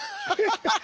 ハハハッ。